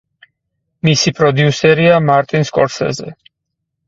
მისი პროდიუსერია მარტინ სკორსეზე.